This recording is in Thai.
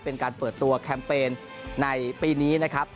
เป็นการเปิดตัวแคมเปญในปีนี้นะครับ